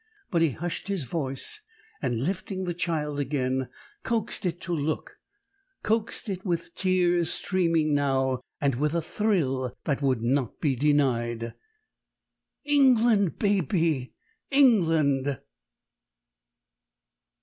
But he hushed his voice, and, lifting the child again, coaxed it to look coaxed it with tears streaming now, and with a thrill that would not be denied "England, baby England!"